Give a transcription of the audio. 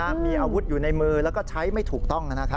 มีอาวุธอยู่ในมือแล้วก็ใช้ไม่ถูกต้อง